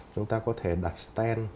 chúng ta có thể đặt stand